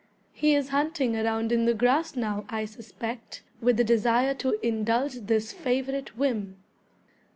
He is hunting around in the grass now, I suspect, with the desire to indulge this favorite whim.